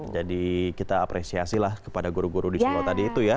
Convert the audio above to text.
jadi kita apresiasi lah kepada guru guru di solo tadi itu ya